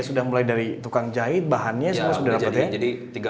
sudah mulai dari tukang jahit bahannya semua sudah dapat ya